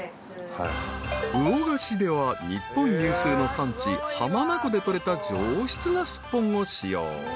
［魚がしでは日本有数の産地浜名湖で取れた上質なスッポンを使用］